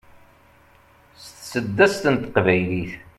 s tseddast n teqbaylit